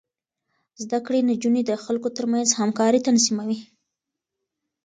زده کړې نجونې د خلکو ترمنځ همکاري تنظيموي.